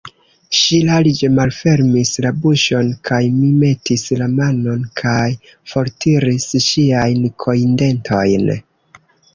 Ŝi larĝe malfermis la buŝon, kaj mi metis la manon kaj fortiris ŝiajn kojndentojn.